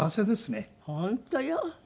本当よ。